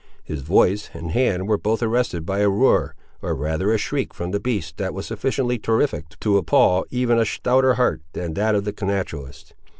His voice and hand were both arrested by a roar, or rather a shriek from the beast, that was sufficiently terrific to appal even a stouter heart than that of the naturalist.